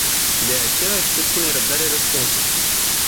De aceea aștept cu nerăbdare răspunsul.